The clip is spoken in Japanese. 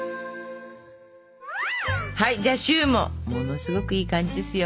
はいじゃあシューもものすごくいい感じですよ。